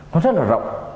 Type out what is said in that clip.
nó rất là rộng